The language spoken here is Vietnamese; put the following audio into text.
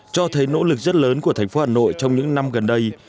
cho thấy nỗ lực rất lớn của thành phố hà nội trong những năm gần đây